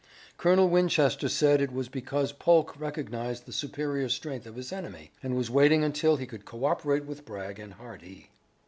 Colonel Winchester said it was because Polk recognized the superior strength of his enemy, and was waiting until he could co operate with Bragg and Hardee.